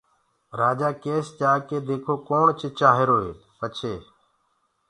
رآجآ ڪيس جاڪي ديکونٚ ڪوڻ چِچآهيٚروئي پڇي